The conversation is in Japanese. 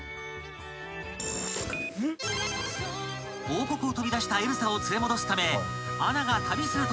［王国を飛び出したエルサを連れ戻すためアナが旅する